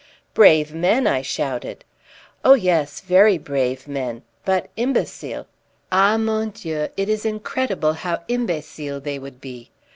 "Brave men!" I shouted. "Oh yes, very brave men, but imbecile. Ah, mon Dieu, it is incredible how imbecile they would be!